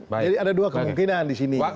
jadi ada dua kemungkinan di sini